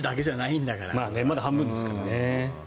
まだ半分ですからね。